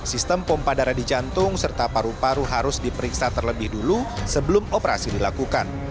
sistem pompa darah di jantung serta paru paru harus diperiksa terlebih dulu sebelum operasi dilakukan